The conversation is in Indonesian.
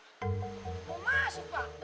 mau masuk pak